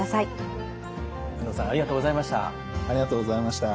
海野さんありがとうございました。